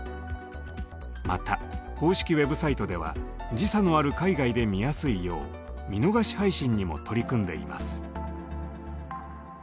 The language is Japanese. また公式ウェブサイトでは時差のある海外で見やすいよう見逃し配信にも取り組んでいます。